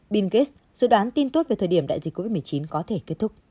bill gates dự đoán tin tốt về thời điểm đại dịch covid một mươi chín có thể kết thúc